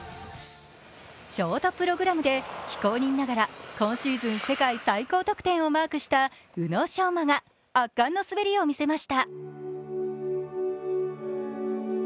ショートプログラムで非公認ながら今シーズン世界最高得点をマークした宇野昌磨が圧巻の滑りを見せました。